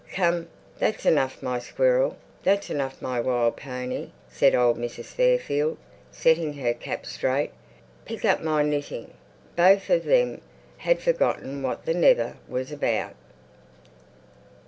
"Come, that's enough, my squirrel! That's enough, my wild pony!" said old Mrs. Fairfield, setting her cap straight. "Pick up my knitting." Both of them had forgotten what the "never" was about.